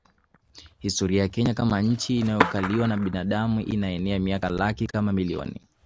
Historia ya Kenya kama nchi inayokaliwa na binadamu inaenea miaka laki kama milioni